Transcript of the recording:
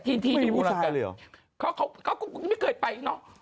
ที่ที่ไม่มีผู้ชายเลยเหรอเขาเขาก็ไม่เคยไปเนาะ